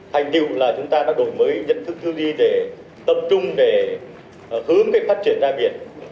hành tiêu là chúng ta đã đổi mới nhận thức tư duy để tập trung để hướng cái phát triển ra biển